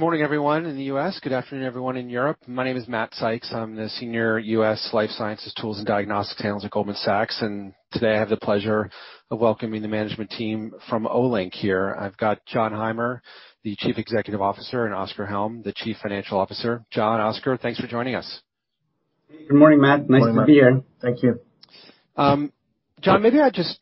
Good morning, everyone in the U.S. Good afternoon, everyone in Europe. My name is Matt Sykes. I'm the Senior U.S. Life Sciences Tools and Diagnostics Analyst at Goldman Sachs, and today I have the pleasure of welcoming the management team from Olink here. I've got Jon Heimer, the Chief Executive Officer, and Oskar Hjelm, the Chief Financial Officer. Jon, Oskar, thanks for joining us. Good morning, Matt. Nice to be here. Good morning, Matt. Thank you. Jon, maybe I'll just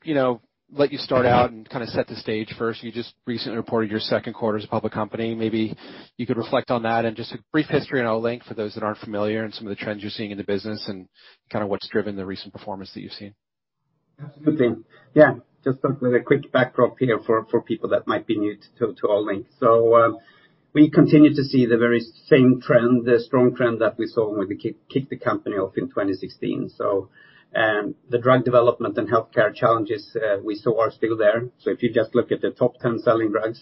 let you start out and kind of set the stage first. You just recently reported your second quarter as a public company. Maybe you could reflect on that and just a brief history on Olink for those that aren't familiar and some of the trends you're seeing in the business and kind of what's driven the recent performance that you've seen. Absolutely. Yeah. Just start with a quick backdrop here for people that might be new to Olink. We continue to see the very same trend, the strong trend that we saw when we kicked the company off in 2016. The drug development and healthcare challenges we saw are still there. If you just look at the top 10 selling drugs,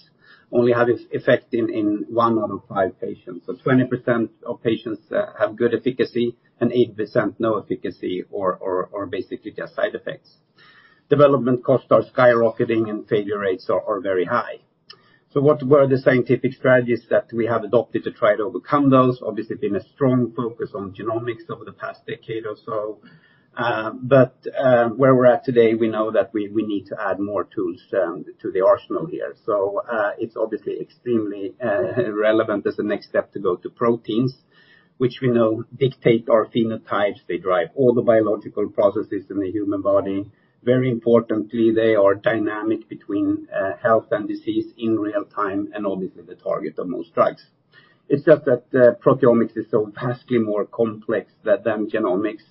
only have effect in one out of five patients. 20% of patients have good efficacy and 80% no efficacy or basically just side effects. Development costs are skyrocketing and failure rates are very high. What were the scientific strategies that we have adopted to try to overcome those? Obviously, been a strong focus on genomics over the past decade or so. Where we're at today, we know that we need to add more tools to the arsenal here. It's obviously extremely relevant as the next step to go to proteins, which we know dictate our phenotypes, they drive all the biological processes in the human body. Very importantly, they are dynamic between health and disease in real time, and obviously the target of most drugs. It's just that proteomics is so vastly more complex than genomics.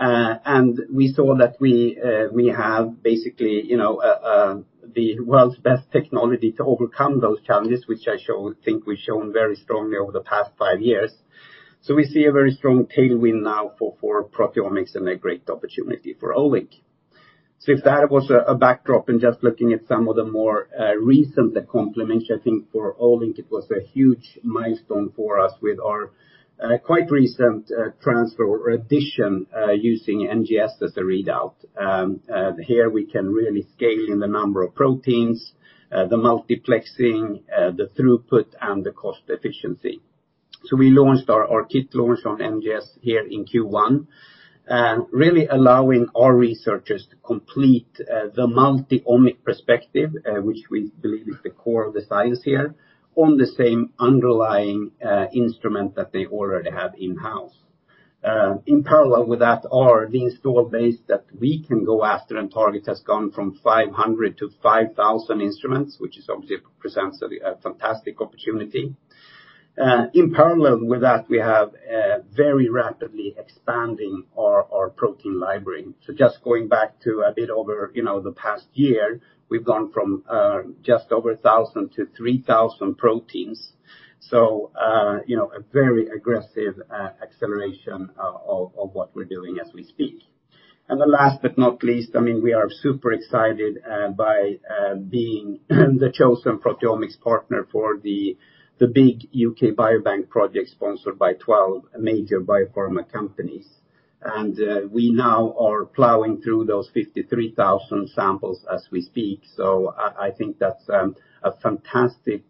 We saw that we have basically the world's best technology to overcome those challenges, which I think we've shown very strongly over the past five years. We see a very strong tailwind now for proteomics and a great opportunity for Olink. If that was a backdrop and just looking at some of the more recent accomplishments, I think for Olink, it was a huge milestone for us with our quite recent transfer or addition, using NGS as a readout. Here, we can really scale in the number of proteins, the multiplexing, the throughput, and the cost efficiency. We launched our kit launch on NGS here in Q1, really allowing our researchers to complete the multi-omic perspective, which we believe is the core of the science here, on the same underlying instrument that they already have in-house. In parallel with that, our installed base that we can go after and target has gone from 500 to 5,000 instruments, which obviously presents a fantastic opportunity. In parallel with that, we have very rapidly expanding our protein library. Just going back to a bit over the past year, we've gone from just over 1,000 to 3,000 proteins. A very aggressive acceleration of what we're doing as we speak. The last but not least, we are super excited by being the chosen proteomics partner for the big U.K. Biobank project sponsored by 12 major biopharma companies. We now are plowing through those 53,000 samples as we speak. I think that's a fantastic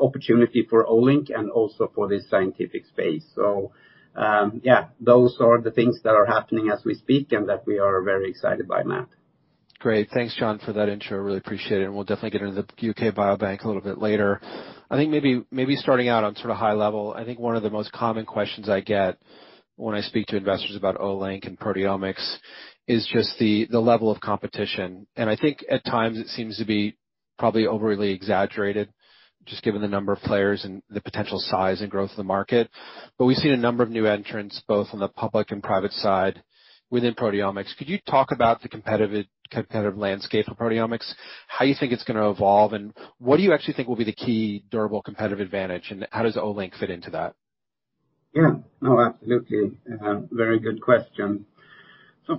opportunity for Olink and also for this scientific space. Yeah, those are the things that are happening as we speak and that we are very excited by, Matt. Great. Thanks, Jon, for that intro. Really appreciate it. We'll definitely get into the U.K. Biobank a little bit later. I think maybe starting out on sort of high level, I think one of the most common questions I get when I speak to investors about Olink and proteomics is just the level of competition. I think at times it seems to be probably overly exaggerated, just given the number of players and the potential size and growth of the market. We've seen a number of new entrants, both on the public and private side within proteomics. Could you talk about the competitive landscape for proteomics, how you think it's going to evolve, and what do you actually think will be the key durable competitive advantage, and how does Olink fit into that? Yeah. No, absolutely. Very good question.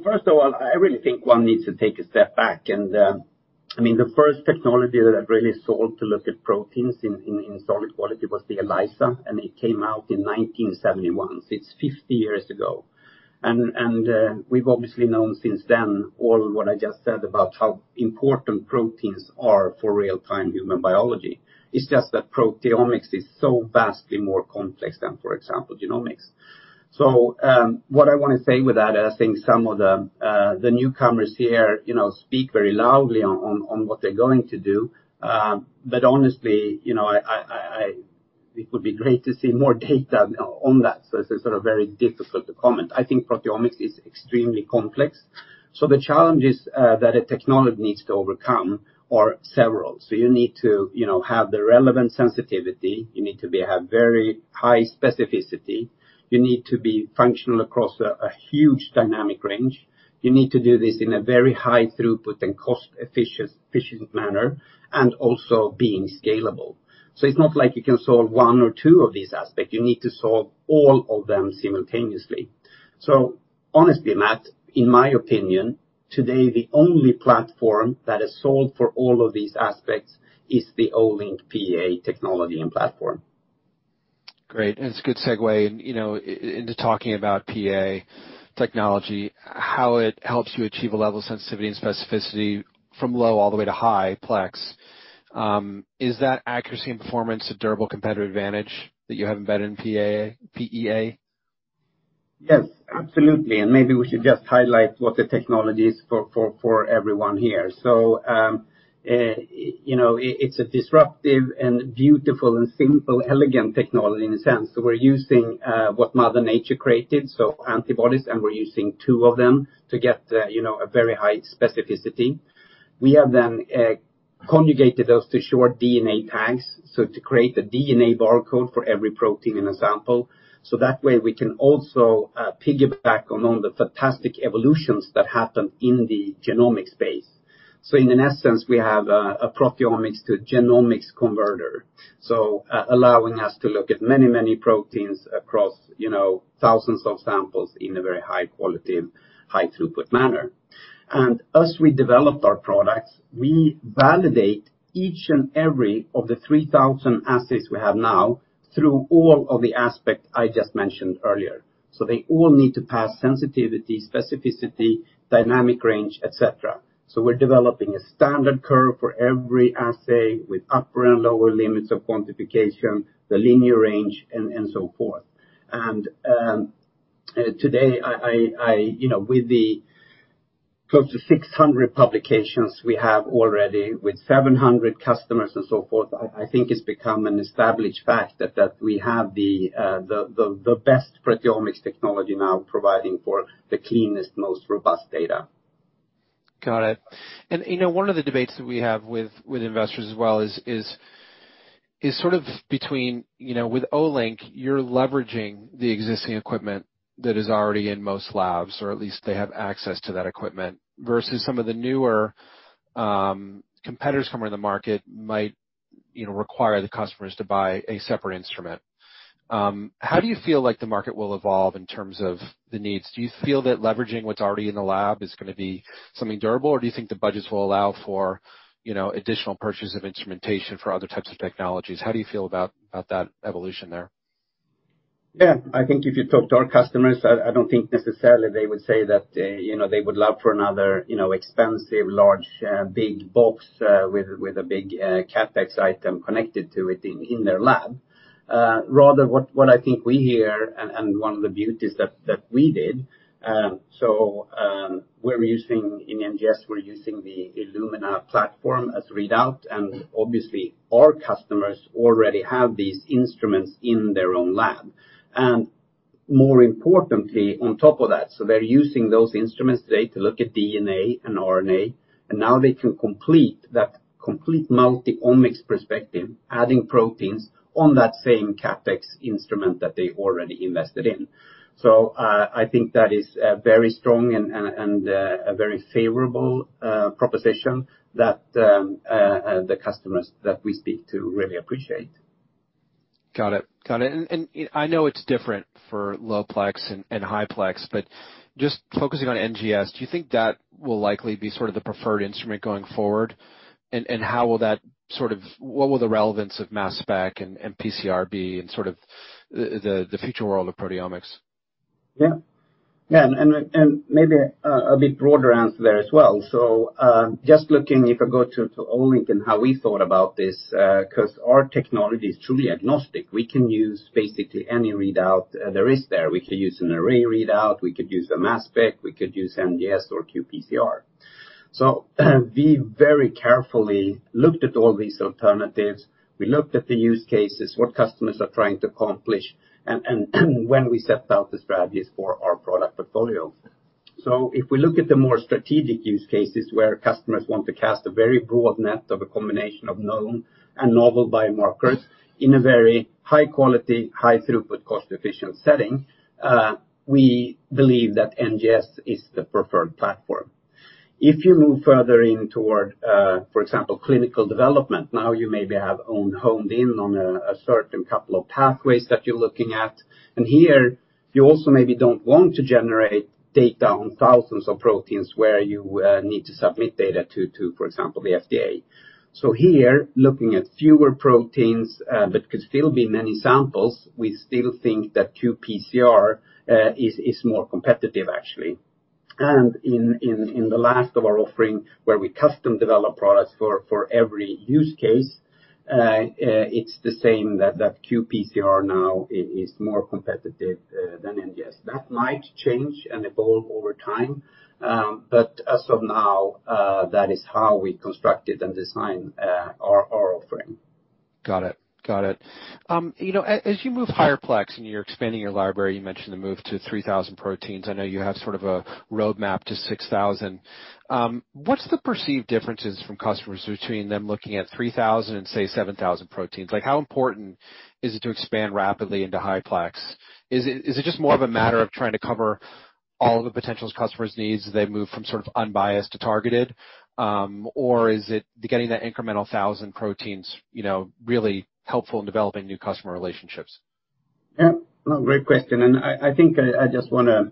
First of all, I really think one needs to take a step back, and the first technology that really solved to look at proteins in solid quality was the ELISA, and it came out in 1971. It's 50 years ago. We've obviously known since then all what I just said about how important proteins are for real-time human biology. It's just that proteomics is so vastly more complex than, for example, genomics. What I want to say with that, I think some of the newcomers here speak very loudly on what they're going to do. Honestly, it would be great to see more data on that. It's sort of very difficult to comment. I think proteomics is extremely complex. The challenges that a technology needs to overcome are several. You need to have the relevant sensitivity. You need to have very high specificity. You need to be functional across a huge dynamic range. You need to do this in a very high throughput and cost-efficient manner, and also being scalable. It's not like you can solve one or two of these aspects. You need to solve all of them simultaneously. Honestly, Matt, in my opinion, today, the only platform that is solved for all of these aspects is the Olink PEA technology and platform. Great. It's a good segue into talking about PEA technology, how it helps you achieve a level of sensitivity and specificity from low all the way to high-plex. Is that accuracy and performance a durable competitive advantage that you have embedded in PEA? Yes, absolutely. Maybe we should just highlight what the technology is for everyone here. It's a disruptive and beautiful and simple, elegant technology in a sense. We're using what mother nature created, so antibodies, and we're using two of them to get a very high specificity. We have then conjugated those to short DNA tags, so to create a DNA barcode for every protein in a sample. That way we can also piggyback on all the fantastic evolutions that happen in the genomic space. In essence, we have a proteomics to genomics converter, so allowing us to look at many proteins across thousands of samples in a very high quality, high throughput manner. As we developed our products, we validate each and every of the 3,000 assays we have now through all of the aspects I just mentioned earlier. They all need to pass sensitivity, specificity, dynamic range, et cetera. We're developing a standard curve for every assay with upper and lower limits of quantification, the linear range, and so forth. Today, with the close to 600 publications we have already, with 700 customers and so forth, I think it's become an established fact that we have the best proteomics technology now providing for the cleanest, most robust data. Got it. One of the debates that we have with investors as well is sort of between, with Olink, you're leveraging the existing equipment that is already in most labs, or at least they have access to that equipment, versus some of the newer competitors coming in the market might require the customers to buy a separate instrument. How do you feel like the market will evolve in terms of the needs? Do you feel that leveraging what's already in the lab is going to be something durable, or do you think the budgets will allow for additional purchase of instrumentation for other types of technologies? How do you feel about that evolution there? Yeah. I think if you talk to our customers, I don't think necessarily they would say that they would love for another expensive, large, big box with a big CapEx item connected to it in their lab. Rather, what I think we hear and one of the beauties that we did, we're using, in NGS, we're using the Illumina platform as readout, and obviously our customers already have these instruments in their own lab. More importantly, on top of that, they're using those instruments today to look at DNA and RNA, and now they can complete that complete multi-omics perspective, adding proteins on that same CapEx instrument that they already invested in. I think that is a very strong and a very favorable proposition that the customers that we speak to really appreciate. Got it. I know it's different for low-plex and high-plex, but just focusing on NGS, do you think that will likely be sort of the preferred instrument going forward? What will the relevance of mass spectrometry and PCR be in sort of the future world of proteomics? Yeah. maybe a bit broader answer there as well. just looking, if I go to Olink and how we thought about this, because our technology is truly agnostic. We can use basically any readout there is there. We could use an array readout, we could use a mass spectrometry, we could use NGS or qPCR. We very carefully looked at all these alternatives. We looked at the use cases, what customers are trying to accomplish, and when we set out the strategies for our product portfolio. If we look at the more strategic use cases where customers want to cast a very broad net of a combination of known and novel biomarkers in a very high quality, high throughput, cost efficient setting, we believe that NGS is the preferred platform. If you move further in toward, for example, clinical development, now you maybe have honed in on a certain couple of pathways that you're looking at. Here, you also maybe don't want to generate data on thousands of proteins where you need to submit data to, for example, the FDA. Here, looking at fewer proteins, but could still be many samples, we still think that qPCR is more competitive, actually. In the last of our offering, where we custom develop products for every use case, it's the same, that qPCR now is more competitive than NGS. That might change and evolve over time, but as of now, that is how we constructed and designed our offering. Got it. As you move high-plex and you're expanding your library, you mentioned the move to 3,000 proteins. I know you have sort of a roadmap to 6,000. What's the perceived differences from customers between them looking at 3,000 and, say, 7,000 proteins? How important is it to expand rapidly into high-plex? Is it just more of a matter of trying to cover all the potential customers' needs as they move from sort of unbiased to targeted? Is it getting that incremental 1,000 proteins really helpful in developing new customer relationships? Yeah. No, great question. I think I'm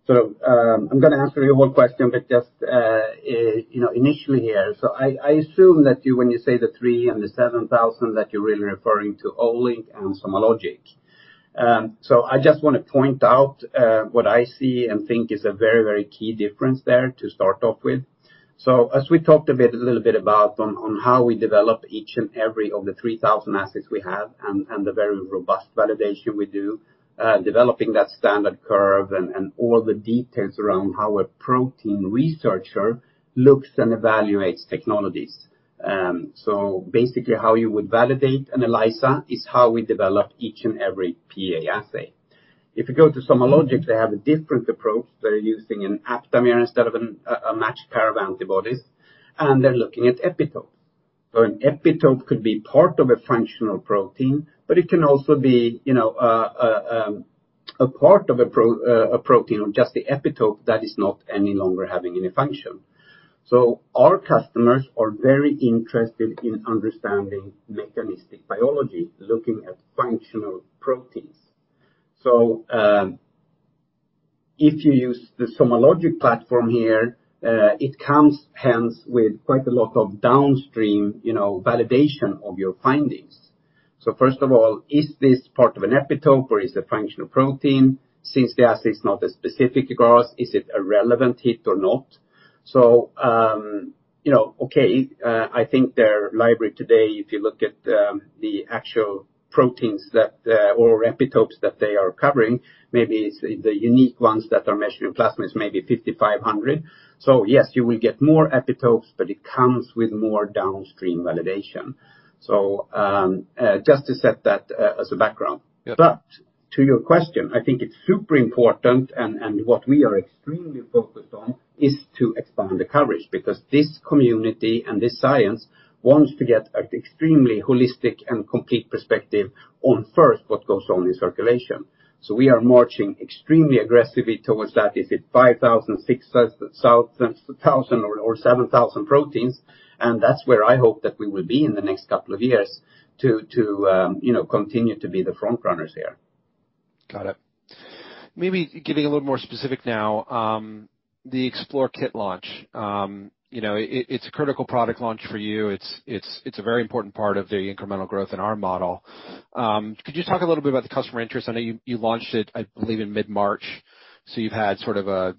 going to answer your whole question, but just initially here, I assume that when you say the 3,000 and the 7,000, that you're really referring to Olink and SomaLogic. I just want to point out what I see and think is a very key difference there to start off with. As we talked a little bit about on how we develop each and every of the 3,000 assays we have and the very robust validation we do, developing that standard curve and all the details around how a protein researcher looks at and evaluates technologies. Basically, how you would validate an ELISA is how we develop each and every PEA assay. If you go to SomaLogic, they have a different approach. They're using an aptamer instead of a matched pair of antibodies, and they're looking at epitopes. An epitope could be part of a functional protein, but it can also be a part of a protein or just the epitope that is no longer having any function. Our customers are very interested in understanding mechanistic biology, looking at functional proteins. If you use the SomaLogic platform here, it comes hence with quite a lot of downstream validation of your findings. First of all, is this part of an epitope or is it a functional protein? Since the assay is not as specific across, is it a relevant hit or not? Okay, I think their library today, if you look at the actual proteins or epitopes that they are covering, maybe it's the unique ones that are measured in plasma is maybe 5,500. Yes, you will get more epitopes, but it comes with more downstream validation. Just to set that as a background. Yeah. To your question, I think it's super important, and what we are extremely focused on is to expand the coverage, because this community and this science wants to get an extremely holistic and complete perspective on first, what goes on in circulation. We are marching extremely aggressively towards that. Is it 5,000, 6,000, or 7,000 proteins? That's where I hope that we will be in the next couple of years to continue to be the front runners here. Got it. Maybe getting a little more specific now, the Explore launch. It's a critical product launch for you. It's a very important part of the incremental growth in our model. Could you talk a little bit about the customer interest? I know you launched it, I believe, in mid-March, so you've had a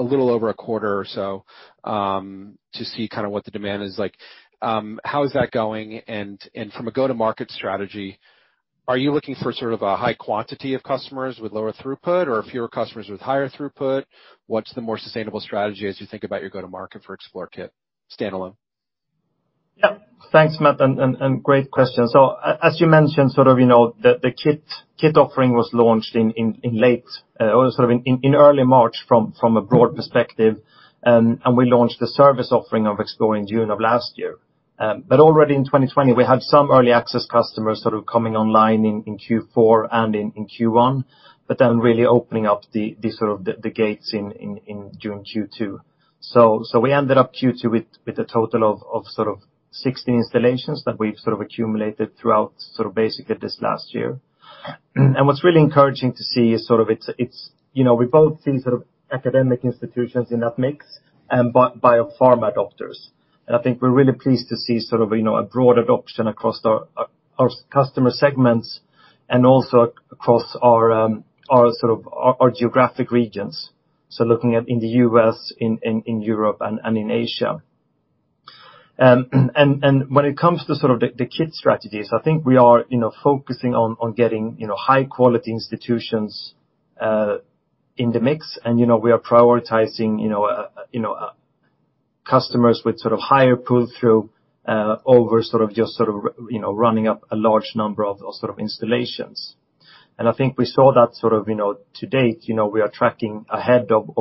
little over a quarter or so to see what the demand is like. How is that going and from a go-to-market strategy, are you looking for sort of a high quantity of customers with lower throughput or fewer customers with higher throughput? What's the more sustainable strategy as you think about your go-to-market for Explore kit launch? Yep. Thanks, Matt, and great question. As you mentioned, the kit offering was launched in early March from a broad perspective, and we launched the service offering of Explore in June of last year. Already in 2020, we had some early access customers coming online in Q4 and in Q1, but then really opening up the gates in June Q2. We ended up Q2 with a total of 16 installations that we've accumulated throughout basically this last year. What's really encouraging to see is we both see academic institutions in that mix and biopharma adopters. I think we're really pleased to see a broad adoption across our customer segments and also across our geographic regions. Looking at in the U.S., in Europe, and in Asia. When it comes to the kit strategies, I think we are focusing on getting high-quality institutions in the mix, and we are prioritizing customers with higher pull-through, over just running up a large number of installations. I think we saw that to date. We are tracking ahead of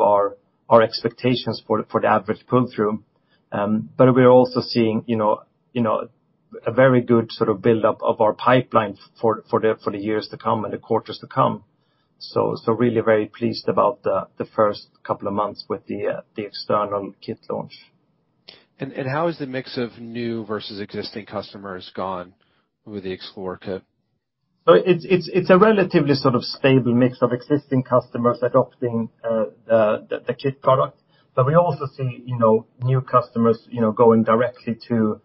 our expectations for the average pull-through. We are also seeing a very good buildup of our pipeline for the years to come and the quarters to come. Really very pleased about the first couple of months with the Explore kit launch. How has the mix of new versus existing customers gone with the Explore kit? It's a relatively stable mix of existing customers adopting the kit product. We also see new customers going directly to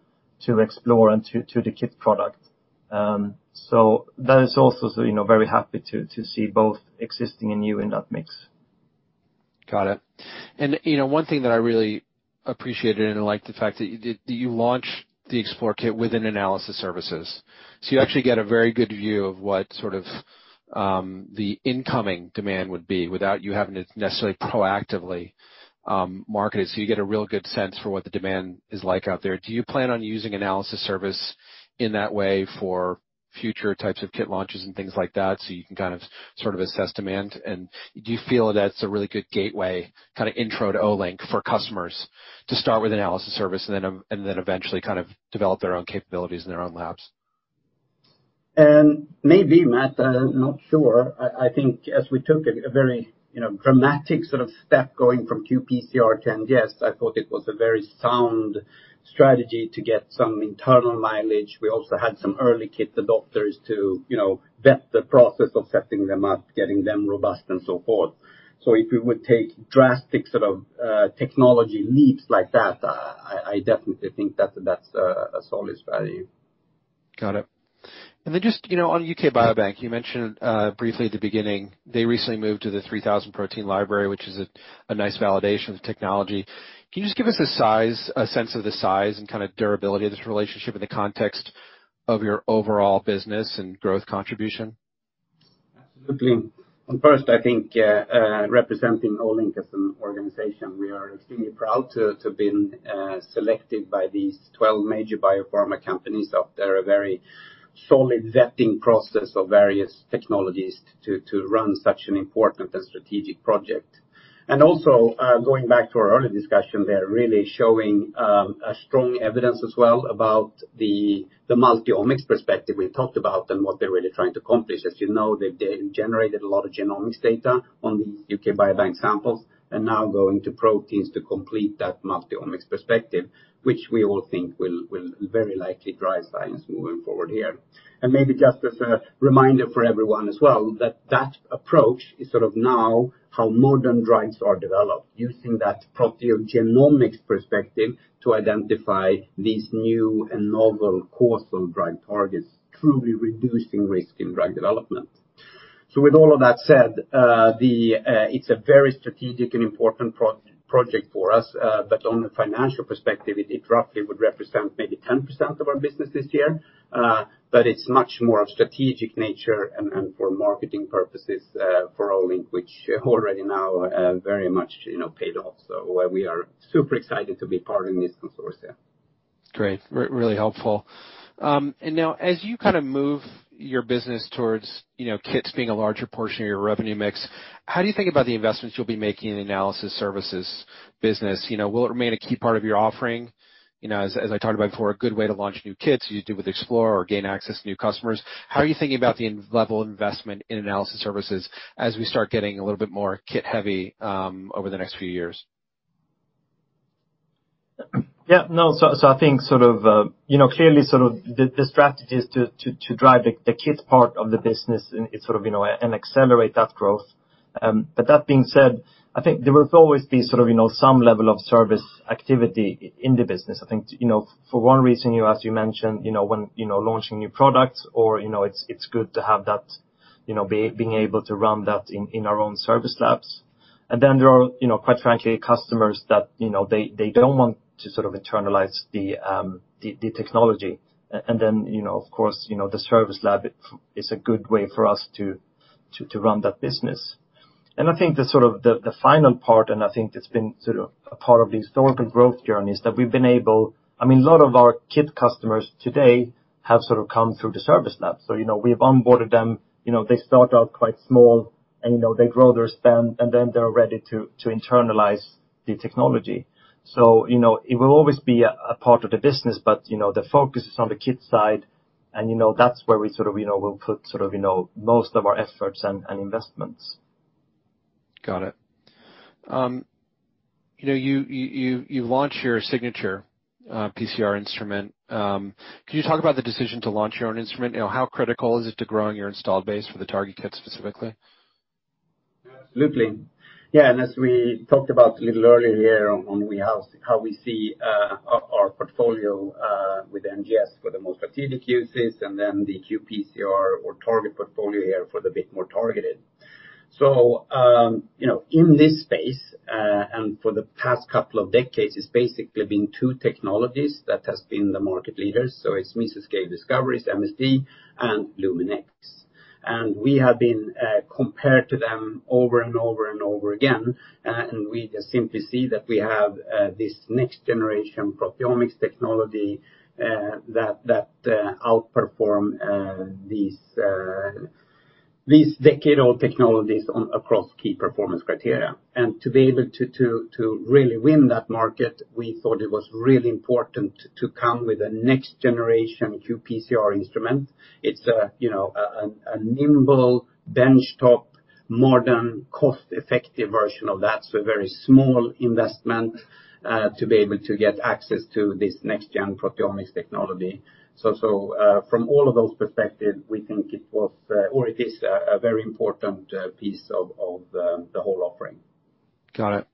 Explore and to the kit product. That is also very happy to see both existing and new in that mix. Got it. One thing that I really appreciated, and I like the fact that you launched the Explore kit within analysis services. You actually get a very good view of what the incoming demand would be without you having to necessarily proactively market it. You get a real good sense for what the demand is like out there. Do you plan on using analysis service in that way for future types of kit launches and things like that, so you can sort of assess demand? Do you feel that's a really good gateway, kind of intro to Olink for customers to start with analysis service and then eventually develop their own capabilities in their own labs? Maybe, Matt, I'm not sure. I think as we took a very dramatic sort of step going from qPCR to NGS, I thought it was a very sound strategy to get some internal mileage. We also had some early kit adopters to vet the process of setting them up, getting them robust, and so forth. If we would take drastic sort of technology leaps like that, I definitely think that's a solid value. Got it. Just on U.K. Biobank, you mentioned briefly at the beginning. They recently moved to the 3,000 protein library, which is a nice validation of the technology. Can you just give us a sense of the size and kind of durability of this relationship in the context of your overall business and growth contribution? Absolutely. First, I think, representing Olink as an organization, we are extremely proud to have been selected by these 12 major biopharma companies after a very solid vetting process of various technologies to run such an important and strategic project. Also, going back to our earlier discussion, they're really showing strong evidence as well about the multi-omics perspective we talked about and what they're really trying to accomplish. As you know, they've generated a lot of genomics data on these UK Biobank samples and now going to proteins to complete that multi-omics perspective, which we all think will very likely drive science moving forward here. Maybe just as a reminder for everyone as well, that that approach is sort of now how modern drugs are developed, using that proteogenomics perspective to identify these new and novel causal drug targets, truly reducing risk in drug development. With all of that said, it's a very strategic and important project for us. On the financial perspective, it roughly would represent maybe 10% of our business this year. It's much more of strategic nature and for marketing purposes for Olink, which already now very much paid off. We are super excited to be part of this consortium. Great. Really helpful. Now as you kind of move your business towards kits being a larger portion of your revenue mix, how do you think about the investments you'll be making in the analysis services business? Will it remain a key part of your offering? As I talked about before, a good way to launch new kits, you do with Explore or gain access to new customers. How are you thinking about the level of investment in analysis services as we start getting a little bit more kit heavy over the next few years? Yeah. I think clearly the strategy is to drive the kits part of the business and accelerate that growth. That being said, I think there will always be some level of service activity in the business. I think, for one reason, as you mentioned, when launching new products or it's good to have that, being able to run that in our own service labs. There are, quite frankly, customers that don't want to internalize the technology. Of course, the service lab is a good way for us to run that business. I think the final part, and I think that's been sort of a part of the historical growth journey, is that I mean, a lot of our kit customers today have sort of come through the service lab. We've onboarded them. They start out quite small, and they grow their spend, and then they're ready to internalize the technology. It will always be a part of the business, but the focus is on the kit side, and that's where we'll put most of our efforts and investments. Got it. You launched your Signature PCR instrument. Can you talk about the decision to launch your own instrument? How critical is it to growing your installed base for the target kit specifically? Absolutely. As we talked about a little earlier on how we see our portfolio with NGS for the more strategic uses and then the qPCR or target portfolio here for the bit more targeted. In this space, for the past couple of decades, it's basically been two technologies that has been the market leaders. It's Meso Scale Discovery, MSD, and Luminex. We have been compared to them over and over and over again, and we just simply see that we have this next-generation proteomics technology that outperform these decade-old technologies across key performance criteria. To be able to really win that market, we thought it was really important to come with a next-generation qPCR instrument. It's a nimble, bench-top, modern, cost-effective version of that. A very small investment to be able to get access to this next-gen proteomics technology. From all of those perspectives, we think it was, or it is a very important piece of the whole offering. Got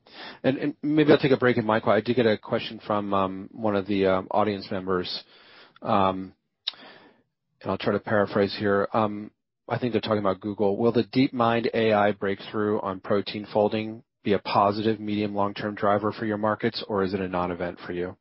it. Maybe I'll take a break in, Michael. I did get a question from one of the audience members. I'll try to paraphrase here. I think they're talking about Google. Will the DeepMind AI breakthrough on protein folding be a positive, medium, long-term driver for your markets, or is it a non-event for you?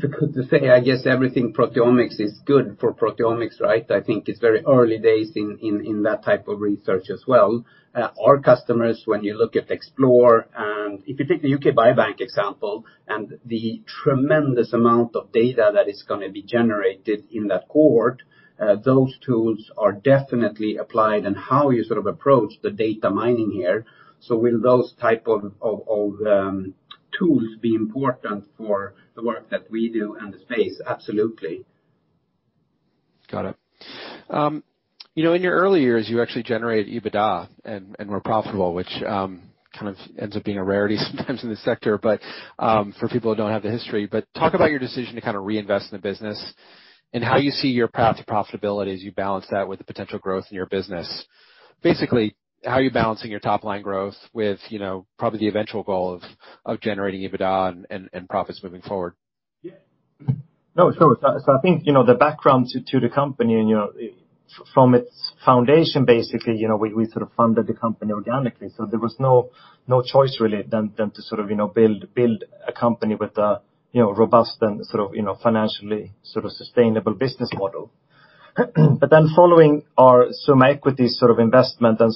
Difficult to say. I guess everything proteomics is good for proteomics, right? I think it's very early days in that type of research as well. Our customers, when you look at Explore, and if you take the U.K. Biobank example and the tremendous amount of data that is going to be generated in that cohort, those tools are definitely applied in how you sort of approach the data mining here. Will those type of tools be important for the work that we do in the space? Absolutely. Got it. In your early years, you actually generated EBITDA and were profitable, which kind of ends up being a rarity sometimes in the sector, but for people who don't have the history. Talk about your decision to kind of reinvest in the business and how you see your path to profitability as you balance that with the potential growth in your business. Basically, how are you balancing your top-line growth with probably the eventual goal of generating EBITDA and profits moving forward? Yeah. No, sure. I think, the background to the company and from its foundation, basically, we sort of funded the company organically. There was no choice really than to build a company with a robust and financially sustainable business model. Following our Summa Equity sort of investment and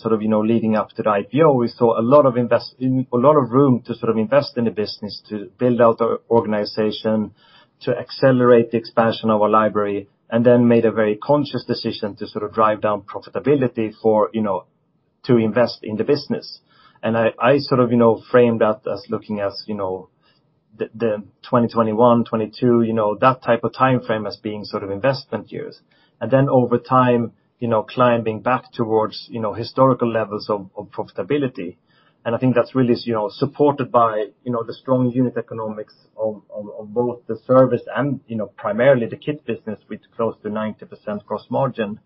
leading up to the IPO, we saw a lot of room to invest in the business, to build out our organization, to accelerate the expansion of our library, and then made a very conscious decision to drive down profitability to invest in the business. I sort of framed that as looking as the 2021, 2022, that type of timeframe as being sort of investment years. Over time, climbing back towards historical levels of profitability. I think that's really supported by the strong unit economics of both the service and primarily the kit business, with close to 90% gross margin.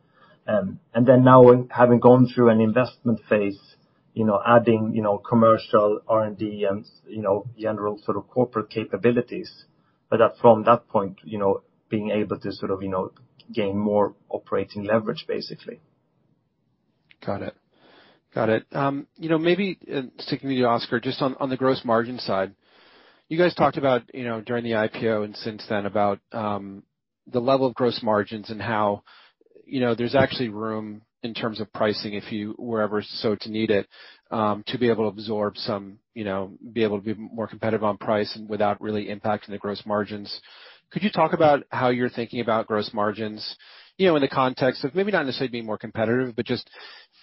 Now, having gone through an investment phase, adding commercial R&D and general corporate capabilities. From that point, being able to gain more operating leverage, basically. Got it. Maybe sticking with you, Oskar, just on the gross margin side, you guys talked about, during the IPO and since then, about the level of gross margins and how there's actually room in terms of pricing if you were ever so to need it, to be able to absorb some, be able to be more competitive on price and without really impacting the gross margins. Could you talk about how you're thinking about gross margins, in the context of maybe not necessarily being more competitive, but just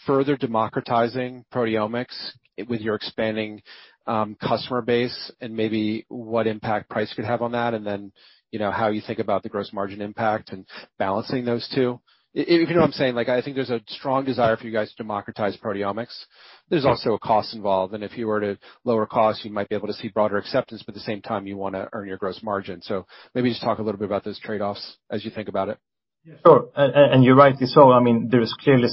further democratizing proteomics with your expanding customer base, and maybe what impact price could have on that, and then, how you think about the gross margin impact and balancing those two? You know what I'm saying, I think there's a strong desire for you guys to democratize proteomics. There's also a cost involved, and if you were to lower cost, you might be able to see broader acceptance, but at the same time, you want to earn your gross margin. Maybe just talk a little bit about those trade-offs as you think about it. Yeah, sure. You're rightly so. There is clearly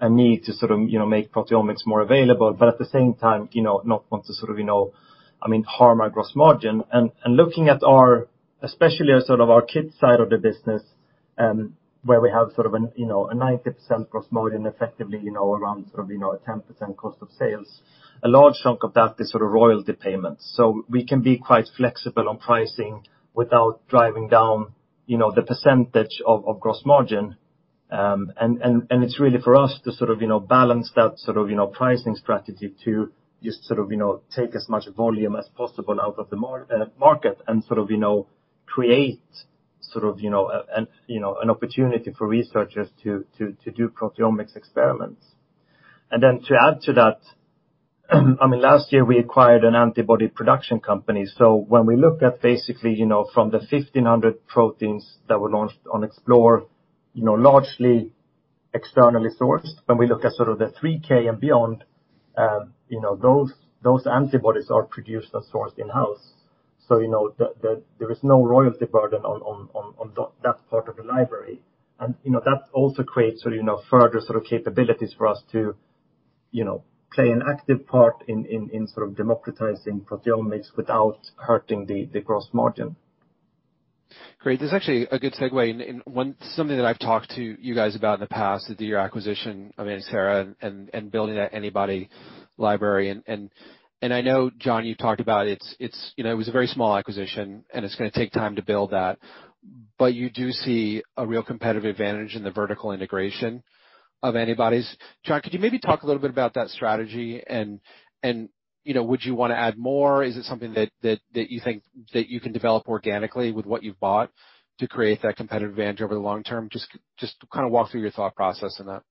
a need to make proteomics more available. At the same time, not want to harm our gross margin. Looking at our, especially our kit side of the business, where we have a 90% gross margin effectively around a 10% cost of sales, a large chunk of that is royalty payments. We can be quite flexible on pricing without driving down the percentage of gross margin. It's really for us to balance that pricing strategy to just take as much volume as possible out of the market and create an opportunity for researchers to do proteomics experiments. Then to add to that, last year we acquired an antibody production company. When we look at basically from the 1,500 proteins that were launched on Explore, largely externally sourced. When we look at sort of the 3,000 and beyond, those antibodies are produced and sourced in-house. There is no royalty burden on that part of the library. That also creates further capabilities for us to play an active part in democratizing proteomics without hurting the gross margin. Great. This is actually a good segue, something that I've talked to you guys about in the past with your acquisition, Agrisera, and building that antibody library. I know, Jon, you've talked about it. It was a very small acquisition, and it's going to take time to build that. You do see a real competitive advantage in the vertical integration of antibodies. Jon, could you maybe talk a little bit about that strategy, and would you want to add more? Is it something that you think that you can develop organically with what you've bought to create that competitive advantage over the long term? Just walk through your thought process on that.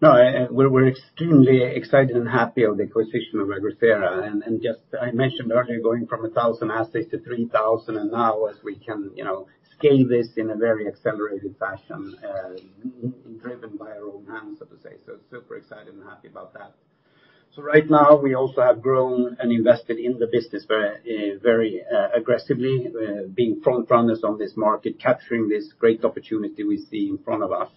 No, we're extremely excited and happy of the acquisition of Agrisera. Just, I mentioned earlier, going from 1,000 assays to 3,000 assays, and now as we can scale this in a very accelerated fashion, driven by our own hands, so to say. Super excited and happy about that. Right now, we also have grown and invested in the business very aggressively, being front runners on this market, capturing this great opportunity we see in front of us.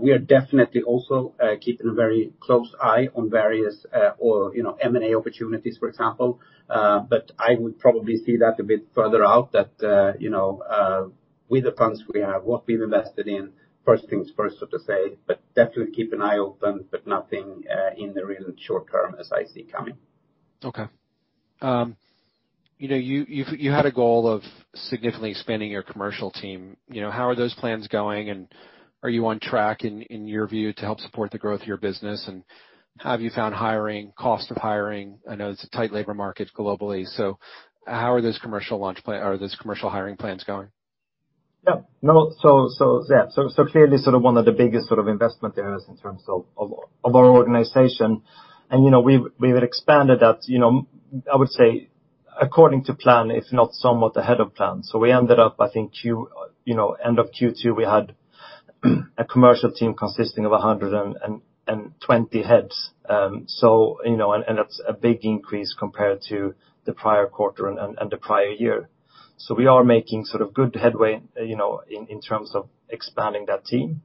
We are definitely also keeping a very close eye on various M&A opportunities, for example. I would probably see that a bit further out, that with the funds we have, what we've invested in, first things first, so to say. Definitely keep an eye open, but nothing in the real short term as I see coming. Okay. You had a goal of significantly expanding your commercial team. How are those plans going? Are you on track, in your view, to help support the growth of your business? How have you found hiring, cost of hiring? I know it's a tight labor market globally. How are those commercial hiring plans going? Yeah. Clearly one of the biggest investment areas in terms of our organization. We've expanded that, I would say, according to plan, if not somewhat ahead of plan. We ended up, I think end of Q2, we had a commercial team consisting of 120 heads. That's a big increase compared to the prior quarter and the prior year. We are making good headway in terms of expanding that team.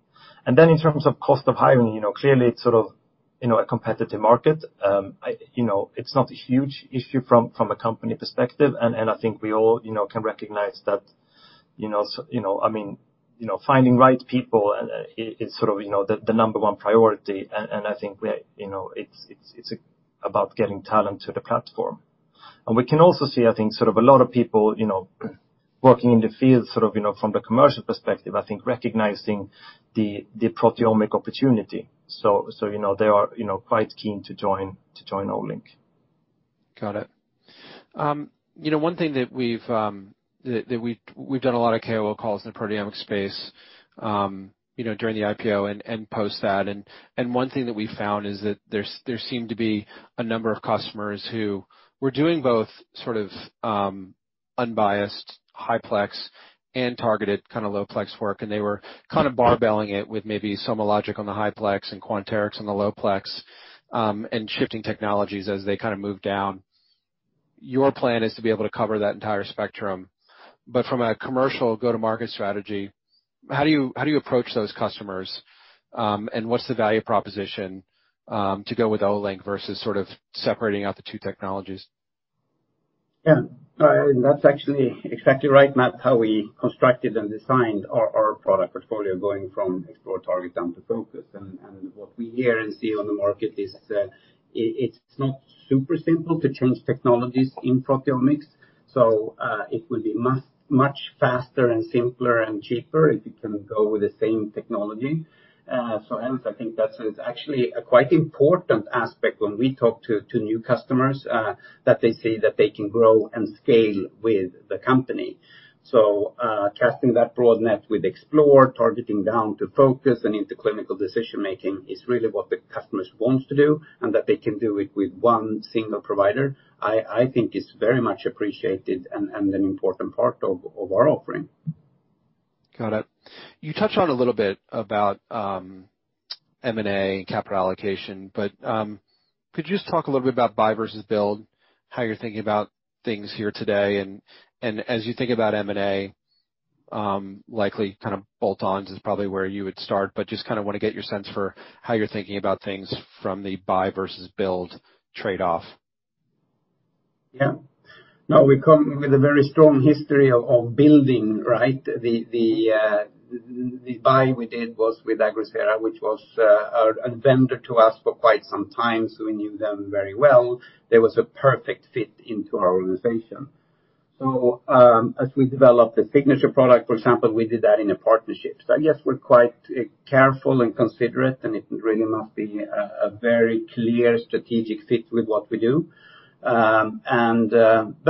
In terms of cost of hiring, clearly it's a competitive market. It's not a huge issue from a company perspective, and I think we all can recognize that, finding right people is the number one priority, and I think it's about getting talent to the platform. We can also see, I think, a lot of people working in the field from the commercial perspective, I think recognizing the proteomic opportunity. They are quite keen to join Olink. Got it. One thing that we've done a lot of KOL calls in the proteomics space during the IPO and post that, and one thing that we found is that there seem to be a number of customers who were doing both unbiased, high-plex and targeted low-plex work, and they were barbelling it with maybe SomaLogic on the high-plex and Quanterix on the low-plex, and shifting technologies as they moved down. Your plan is to be able to cover that entire spectrum. From a commercial go-to-market strategy, how do you approach those customers? What's the value proposition, to go with Olink versus separating out the two technologies? Yeah. That's actually exactly right, Matt, how we constructed and designed our product portfolio going from Explore, Target, down to Focus. What we hear and see on the market is, it's not super simple to change technologies in proteomics. It will be much faster and simpler and cheaper if you can go with the same technology. Hence, I think that is actually a quite important aspect when we talk to new customers, that they see that they can grow and scale with the company. Casting that broad net with Explore, targeting down to Focus and into clinical decision-making is really what the customers want to do, and that they can do it with one single provider. I think it's very much appreciated and an important part of our offering. Got it. You touched on a little bit about M&A and capital allocation, but, could you just talk a little bit about buy versus build, how you're thinking about things here today, and as you think about M&A, likely bolt-ons is probably where you would start, but just want to get your sense for how you're thinking about things from the buy versus build trade-off. Yeah. No, we come with a very strong history of building, right? The buy we did was with Agrisera, which was a vendor to us for quite some time, so we knew them very well. They was a perfect fit into our organization. As we developed the Signature product, for example, we did that in a partnership. I guess we're quite careful and considerate, and it really must be a very clear strategic fit with what we do.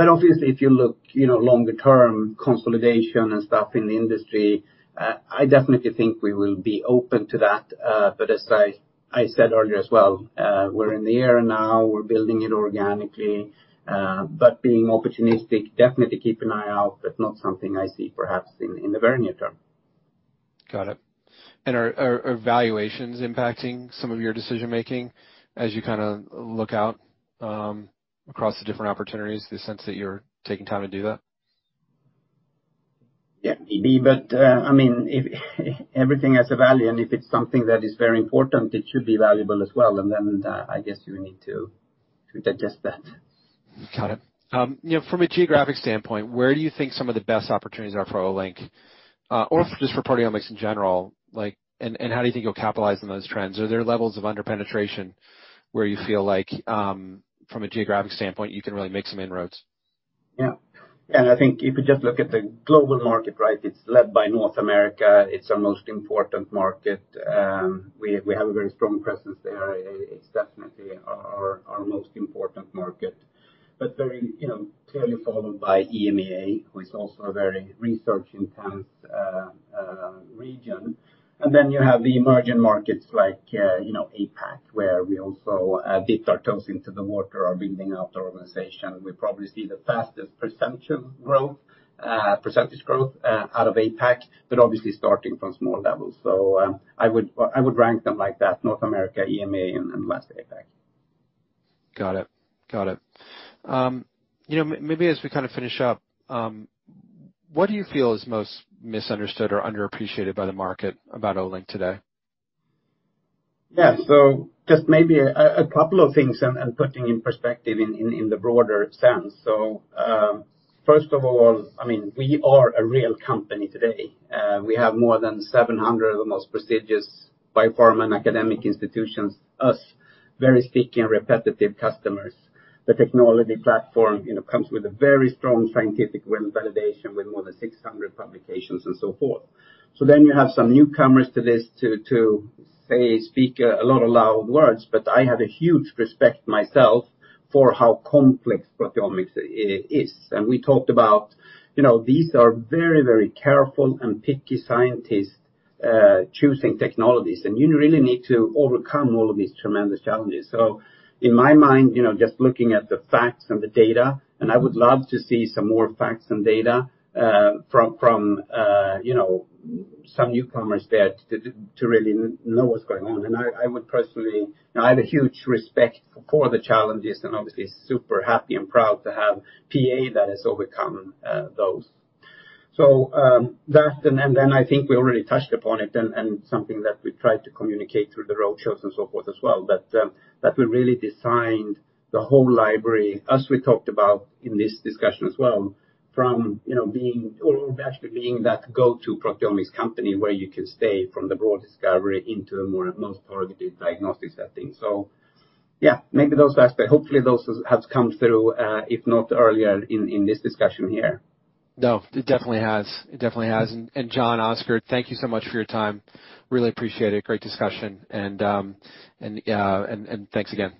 Obviously if you look longer term consolidation and stuff in the industry, I definitely think we will be open to that. As I said earlier as well, we're in the air now, we're building it organically, but being opportunistic, definitely keep an eye out, but not something I see perhaps in the very near term. Got it. Are valuations impacting some of your decision-making as you look out across the different opportunities, the sense that you're taking time to do that? Yeah. Maybe, but, I mean, everything has a value, and if it's something that is very important, it should be valuable as well, and then, I guess you need to digest that. Got it. From a geographic standpoint, where do you think some of the best opportunities are for Olink, or for just for proteomics in general, and how do you think you'll capitalize on those trends? Are there levels of under-penetration where you feel like, from a geographic standpoint, you can really make some inroads? Yeah. I think if you just look at the global market, it's led by North America. It's our most important market. We have a very strong presence there. It's definitely our most important market. Very clearly followed by EMEA, who is also a very research-intense region. Then you have the emerging markets like APAC, where we also dip our toes into the water, are building out our organization. We probably see the fastest percentage growth out of APAC, but obviously starting from small levels. I would rank them like that, North America, EMEA, and last, APAC. Got it. Maybe as we finish up, what do you feel is most misunderstood or underappreciated by the market about Olink today? Just maybe a couple of things and putting in perspective in the broader sense. First of all, we are a real company today. We have more than 700 of the most prestigious biopharma and academic institutions, us, very sticky and repetitive customers. The technology platform comes with a very strong scientific validation with more than 600 publications and so forth. You have some newcomers to this to say, speak a lot of loud words, but I have a huge respect myself for how complex proteomics is. We talked about, these are very careful and picky scientists choosing technologies, and you really need to overcome all of these tremendous challenges. In my mind, just looking at the facts and the data, and I would love to see some more facts and data, from some newcomers there to really know what's going on. I have a huge respect for the challenges and obviously super happy and proud to have PEA that has overcome those. That, I think we already touched upon it and something that we tried to communicate through the roadshows and so forth as well, but that we really designed the whole library, as we talked about in this discussion as well, from actually being that go-to proteomics company where you can stay from the broad discovery into a more most targeted diagnostics setting. Yeah, maybe those aspects. Hopefully, those have come through, if not earlier in this discussion here. No, it definitely has. Jon, Oskar, thank you so much for your time. Really appreciate it. Great discussion and thanks again.